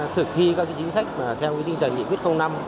thực thi các chính sách theo tinh thần nghị quyết năm